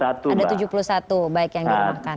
ada tujuh puluh satu baik yang dirumahkan